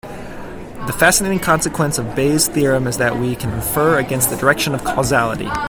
The fascinating consequence of Bayes' theorem is that we can infer against the direction of causality.